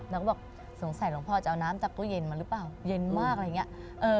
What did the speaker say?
แล้วก็บอกสงสัยหลวงพ่อจะเอาน้ำจากตู้เย็นมาหรือเปล่าเย็นมากอะไรอย่างนี้